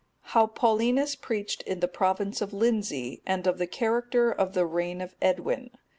How Paulinus preached in the province of Lindsey; and of the character of the reign of Edwin.